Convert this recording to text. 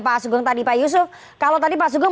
pak asugeng tadi pak yusuf kalau tadi pak asugeng